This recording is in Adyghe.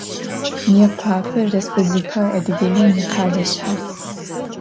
Mıêkhuape Rêspublikeu Adıgêim yikhele şsha'.